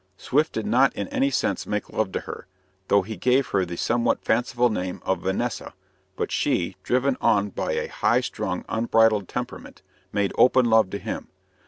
Swift did not in any sense make love to her, though he gave her the somewhat fanciful name of "Vanessa"; but she, driven on by a high strung, unbridled temperament, made open love to him.